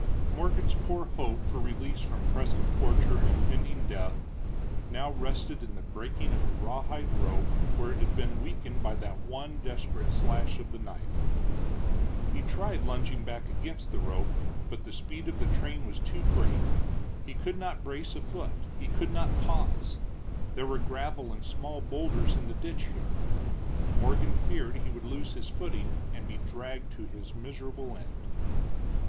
Morgan's poor hope for release from present torture and impending death now rested in the breaking of the rawhide rope where it had been weakened by that one desperate slash of the knife. He tried lunging back against the rope, but the speed of the train was too great; he could not brace a foot, he could not pause. There were gravel and small boulders in the ditch here. Morgan feared he would lose his footing and be dragged to his miserable end.